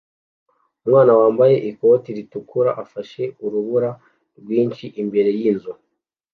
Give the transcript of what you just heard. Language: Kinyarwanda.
umwana wambaye ikote ritukura afashe urubura rwinshi imbere yinzu